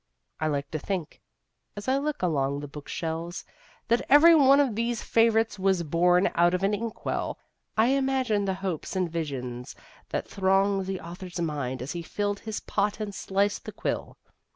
I like to think, as I look along book shelves, that every one of these favorites was born out of an ink well. I imagine the hopes and visions that thronged the author's mind as he filled his pot and sliced the quill.